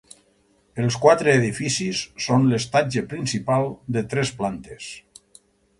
Els quatre edificis són l'estatge principal, de tres plantes.